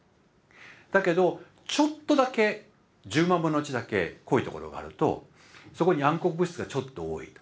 だけどちょっとだけ１０万分の１だけ濃いところがあるとそこに暗黒物質がちょっと多い。